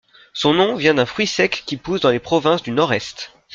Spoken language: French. Son nom vient d’un fruit sec qui pousse dans les provinces du nord est.